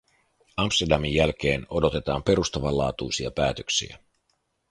Amsterdamin jälkeen odotetaan perustavanlaatuisia päätöksiä.